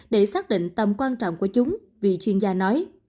để xác định tầm quan trọng của chúng vì chuyên gia nói